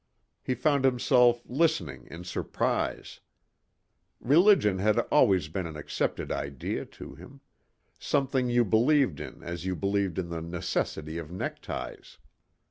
He found himself listening in surprise. Religion had been always an accepted idea to him. Something you believed in as you believed in the necessity of neckties.